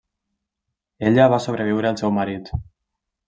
Ella va sobreviure al seu marit.